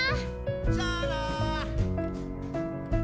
じゃあな。